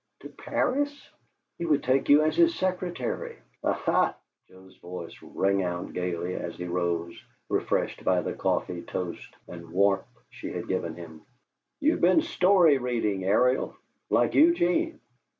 "To Paris?" "He would take you as his secretary." "Aha!" Joe's voice rang out gayly as he rose, refreshed by the coffee, toast, and warmth she had given him. "You've been story reading, Ariel, like Eugene!